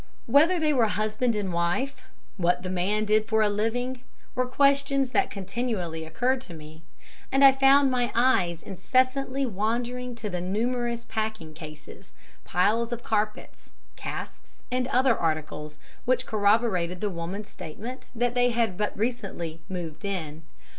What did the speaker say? Whether they were husband and wife, what the man did for a living, were questions that continually occurred to me, and I found my eyes incessantly wandering to the numerous packing cases, piles of carpets, casks and other articles, which corroborated the woman's statement that they had but recently 'moved in.'